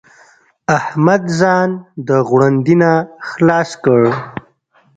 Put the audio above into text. احمد ځان د غړوندي نه خلاص کړ.